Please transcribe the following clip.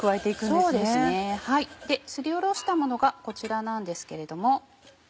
ですりおろしたものがこちらなんですけれども。